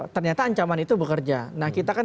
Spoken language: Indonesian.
ternyata ancaman itu bekerja nah kita kan